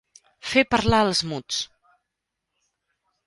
Fer parlar els muts.